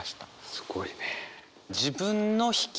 すごいね。